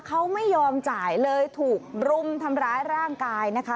เขาไม่ยอมจ่ายเลยถูกรุมทำร้ายร่างกายนะคะ